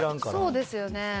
そうですよね。